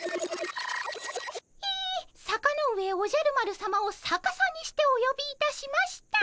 「さかのうえおじゃるまるさま」をさかさにしておよびいたしました。